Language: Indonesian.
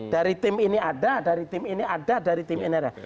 dari tim ini ada dari tim ini ada dari tim ini ada